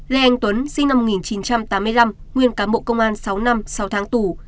lê anh tuấn sinh năm một nghìn chín trăm tám mươi năm nguyên cán bộ công an sáu năm sáu tháng tù